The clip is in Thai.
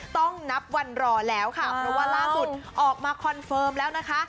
ต้องนับวันรอแล้วค่ะเพราะว่าล่าสุดออกมาคอนเฟิร์มแล้วนะคะ